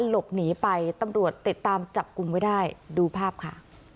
หลบหนีไปตำรวจติดตามจับกลุ่มไว้ได้ดูภาพค่ะ